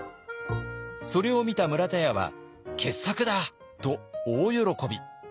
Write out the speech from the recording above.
それを見た村田屋は傑作だと大喜び。